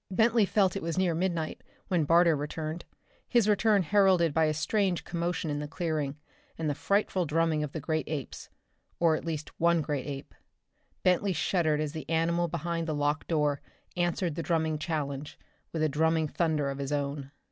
Bentley felt it was near midnight when Barter returned, his return heralded by a strange commotion in the clearing, and the frightful drumming of the great apes or at least one great ape. Bentley shuddered as the animal behind the locked door answered the drumming challenge with a drumming thunder of his own.